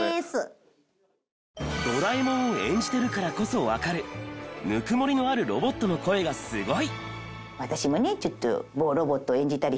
ドラえもんを演じてるからこそわかるぬくもりのあるロボットの声がスゴい！